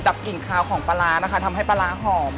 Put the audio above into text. ดับกลิ่นคาวของปลาร้านะคะทำให้ปลาร้าหอม